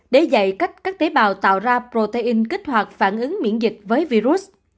để dạy cách các tế bào tạo ra protein kích hoạt phản ứng miễn dịch với virus